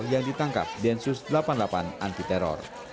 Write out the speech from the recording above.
yang ditangkap densus delapan puluh delapan anti teror